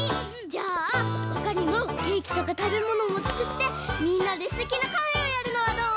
じゃあほかにもケーキとかたべものもつくってみんなですてきなカフェをやるのはどう？